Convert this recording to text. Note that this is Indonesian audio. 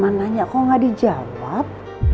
mama nanya kok gak dijawab